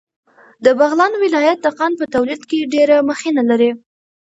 د بغلان ولایت د قند په تولید کې ډېره مخینه لري.